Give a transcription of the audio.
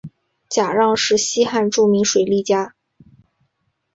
贾让是西汉著名水利家。